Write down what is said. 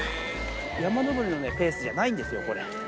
山登りのペースじゃないんですよ、これ。